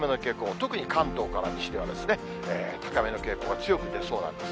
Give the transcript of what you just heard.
特に関東から西では、高めの傾向が強く出そうなんです。